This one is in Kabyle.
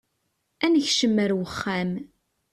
Ad nekcem ar wexxam.